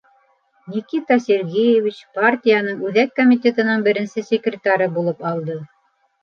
Никита Сергеевич партияның Үҙәк Комитетының беренсе секретары булып алды.